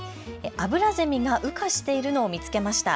アブラゼミが羽化しているのを見つけました。